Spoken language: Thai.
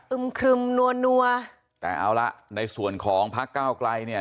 อึ้มคลึมนัวนัวแต่เอาละในส่วนของภาคกล้าวไกลเนี้ย